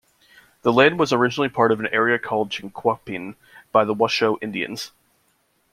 The land was originally part of an area called Chinquapin by the Washoe Indians.